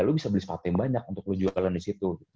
lo bisa beli sepatu yang banyak untuk lo jualan di situ